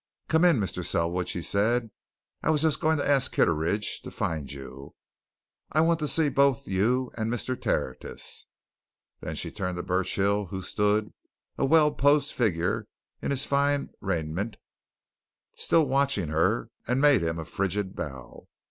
"Come in, Mr. Selwood," she said. "I was just going to ask Kitteridge to find you. I want to see both you and Mr. Tertius." Then she turned to Burchill, who stood, a well posed figure in his fine raiment, still watching her, and made him a frigid bow.